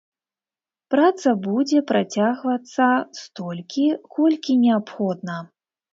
Праца будзе працягвацца столькі, колькі неабходна.